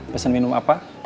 pesan minum apa